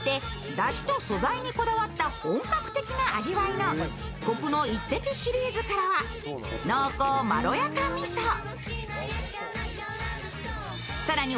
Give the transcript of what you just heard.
だしと素材にこだわった本格的な味わいのコクの一滴シリーズからは濃厚まろやか味噌。